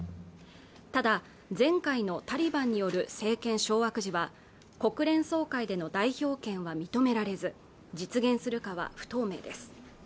ただ前回のタリバンによる政権掌握時は国連総会での代表権は認められず実現するかは不透明です